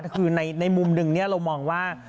คือในมุมหนึ่งเรามองว่า